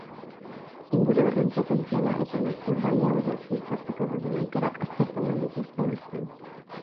Inguru horren potentziala eta natur baliabideak bultzatzeko dauden aukerak aztertu omen dituzte bertan.